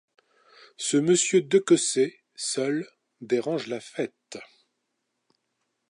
Ce monsieur de Cossé, seul, dérange la fête.